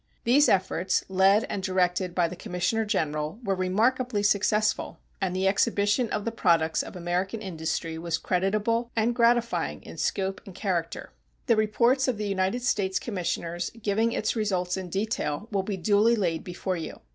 These efforts, led and directed by the commissioner general, were remarkably successful, and the exhibition of the products of American industry was creditable and gratifying in scope and character. The reports of the United States commissioners, giving its results in detail, will be duly laid before you.